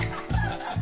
ハハハハ。